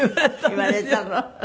言われたの？